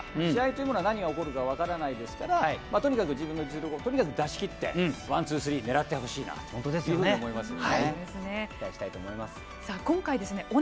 試合中というのは何が起こるか分からないですからとにかく自分の力を出しきってワン、ツー、スリー狙ってほしいなと思いますね。